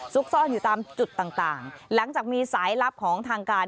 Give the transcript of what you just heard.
ซ่อนอยู่ตามจุดต่างหลังจากมีสายลับของทางการ